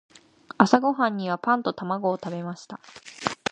朝ごはんにはパンと卵を食べました。